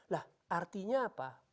lah artinya apa